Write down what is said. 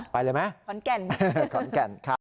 ไปเลยมั้ยขอนแก่น